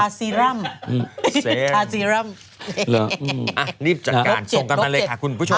ทาซีรัมทาซีรัมหรออ่ะรีบจัดการส่งกันไปเลยค่ะคุณผู้ชม